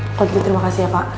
kalau begitu terima kasih ya pak